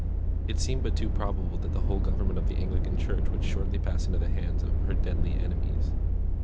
It seemed but too probable that the whole government of the Anglican Church would shortly pass into the hands of her deadly enemies.